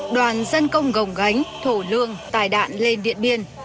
đoàn dân công gồng gánh thổ lương tài đạn lên điện biên